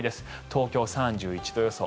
東京、３１度予想。